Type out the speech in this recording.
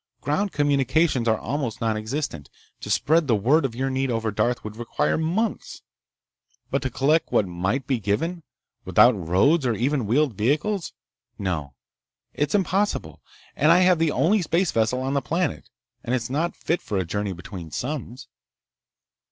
Ground communications are almost nonexistent. To spread the word of your need over Darth would require months. But to collect what might be given, without roads or even wheeled vehicles— No. It's impossible! And I have the only space vessel on the planet, and it's not fit for a journey between suns."